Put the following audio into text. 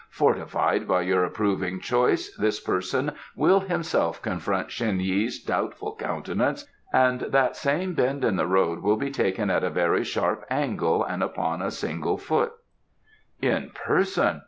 "Fortified by your approving choice, this person will himself confront Shen Yi's doubtful countenance, and that same bend in the road will be taken at a very sharp angle and upon a single foot." "In person!